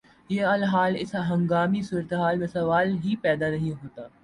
ی الحال اس ہنگامی صورتحال میں سوال ہی پیدا نہیں ہوتا